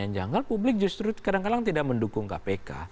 yang janggal publik justru kadang kadang tidak mendukung kpk